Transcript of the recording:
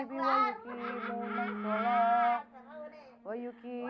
siapa tau dikabulin